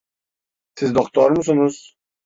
Siz doktor musunuz?